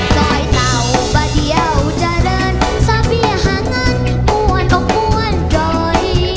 ดอยเต่าปะเดี่ยวจะเรินสะเบี้ยหางั้นมวนก็มวนดอย